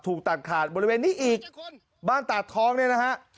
ตัดขาดบริเวณนี้อีกบ้านตาดทองเนี่ยนะฮะ